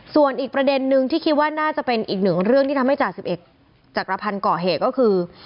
ส่วนอีกประเด็นนึงที่คิดว่าน่าจะเป็นอีกหนึ่งเรื่องที่ทำให้จ่าสิบเอกจักรพันธ์ก่อเหตุก็คือ